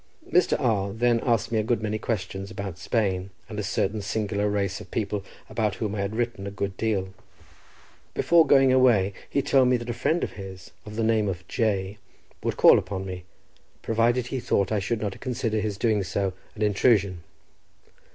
Mr. R— then asked me a good many questions about Spain, and a certain singular race of people about whom I have written a good deal. Before going away he told me that a friend of his, of the name of J—, would call upon me, provided he thought I should not consider his doing so an intrusion.